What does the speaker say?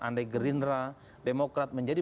andaik gerindra demokrat menjadi